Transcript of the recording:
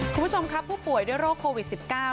คุณผู้ชมครับผู้ป่วยด้วยโรคโควิด๑๙